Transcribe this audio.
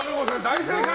大正解！